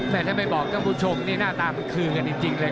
แม้ถ้ายังไม่บอกกับผู้ชมมันน่าตามคืกกันจริงเลย